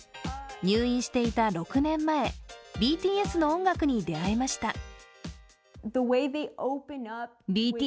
入院していた６年前ＢＴＳの音楽に出会いました。